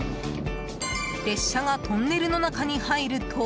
列車がトンネルの中に入ると。